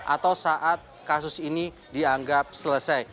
atau saat kasus ini dianggap selesai